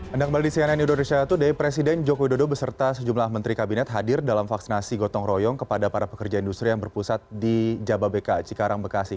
anda kembali di cnn indonesia today presiden joko widodo beserta sejumlah menteri kabinet hadir dalam vaksinasi gotong royong kepada para pekerja industri yang berpusat di jababeka cikarang bekasi